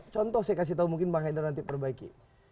contoh saya kasih tau mungkin bang haidar nanti perbaiki